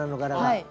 はい。